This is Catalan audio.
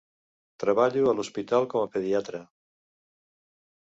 Treballo a l'hospital com a pediatra.